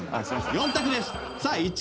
４択です。